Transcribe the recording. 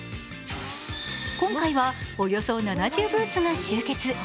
今回はおよそ７０ブースが集結。